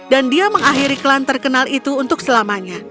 dan dia mengakhiri klan terkenal itu untuk selamanya